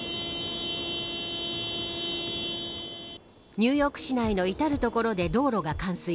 ニューヨーク市内の至る所で道路が冠水。